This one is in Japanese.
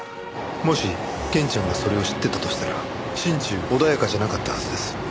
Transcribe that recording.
もしケンちゃんがそれを知っていたとしたら心中穏やかじゃなかったはずです。